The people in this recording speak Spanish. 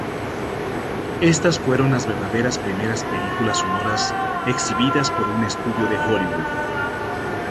Estas fueron las verdaderas primeras películas sonoras exhibidas por un estudio de Hollywood.